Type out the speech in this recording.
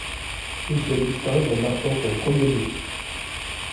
Il se distingue en marquant son premier but.